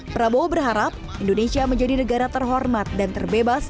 prabowo berharap indonesia menjadi negara terhormat dan terbebas